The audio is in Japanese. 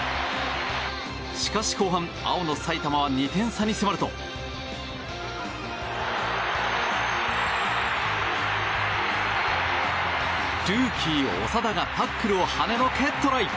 しかし、後半青の埼玉は２点差に迫るとルーキー、長田がタックルを跳ねのけトライ！